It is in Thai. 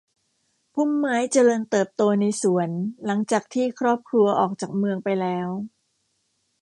พุ่มไม้เจริญเติบโตในสวนหลังจากที่ครอบครัวออกจากเมืองไปแล้ว